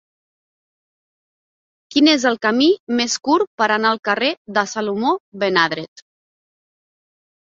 Quin és el camí més curt per anar al carrer de Salomó ben Adret